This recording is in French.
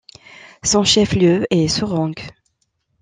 Son chef-lieu est Soreang.